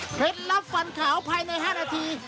ลับฟันขาวภายใน๕นาที